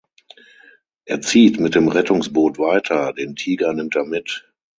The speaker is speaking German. Er zieht mit dem Rettungsboot weiter, den Tiger nimmt er mit.